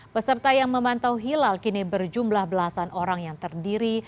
peserta yang memantau hilal kini berjumlah belasan orang yang terdiri